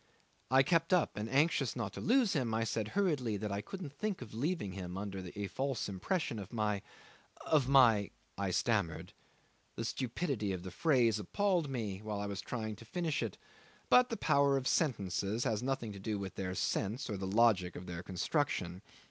I kept up, and anxious not to lose him, I said hurriedly that I couldn't think of leaving him under a false impression of my of my I stammered. The stupidity of the phrase appalled me while I was trying to finish it, but the power of sentences has nothing to do with their sense or the logic of their construction.